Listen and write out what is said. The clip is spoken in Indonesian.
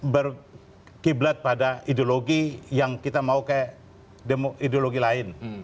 berkiblat pada ideologi yang kita mau kayak ideologi lain